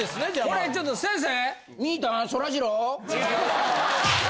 これちょっと先生！